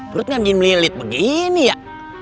perutnya bikin melilit begini ya